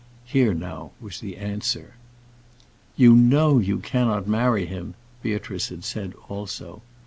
Here was now the answer. "You know you cannot marry him," Beatrice had said, also.